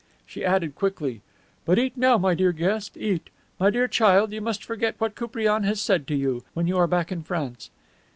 She added quickly: "But eat now, my dear guest; eat. My dear child, you must forget what Koupriane has said to you, when you are back in France."